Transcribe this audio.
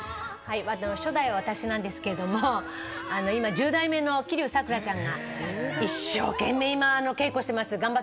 初代、私なんですけれど、今、１０代目の吉柳咲良ちゃんが一生懸命、稽古をしています。